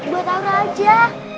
buat aura aja